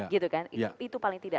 gitu kan itu paling tidak